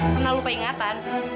pernah lupa ingatan